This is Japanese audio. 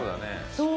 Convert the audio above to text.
そう。